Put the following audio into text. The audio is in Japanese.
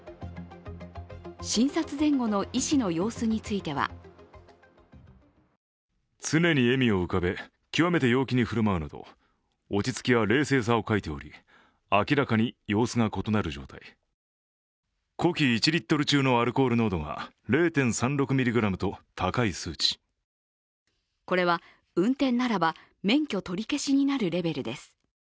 診察前後の医師の様子についてはこれは、車の運転ならば免許取り消しになるレベルです。